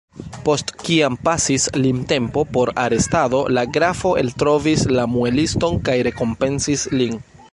Post kiam pasis limtempo por arestado, la grafo eltrovis la mueliston kaj rekompensis lin.